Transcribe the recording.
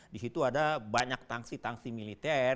di situ ada banyak tangsi tangsi militer